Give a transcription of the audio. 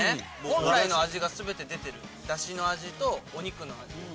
本来の味が全て出てるダシの味とお肉の味。